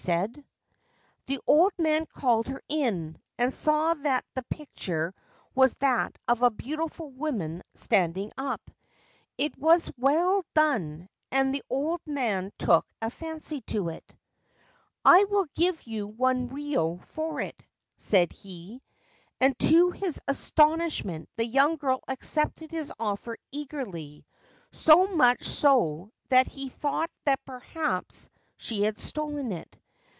1 Picture. 299 Ancient Tales and Folklore of Japan The old man called her in, and saw that the picture was that of a beautiful woman, standing up. It was well done, and the old man took a fancy to it. * I will give you one rio for it,' said he ; and to his astonishment the young girl accepted his offer eagerly — so much so that he thought that perhaps she had stolen it.